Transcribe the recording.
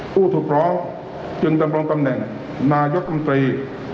ผู้ถูกร้องจึงดำรงตำแหน่งนายกรรมตรี